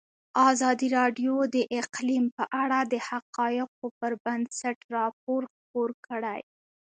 ازادي راډیو د اقلیم په اړه د حقایقو پر بنسټ راپور خپور کړی.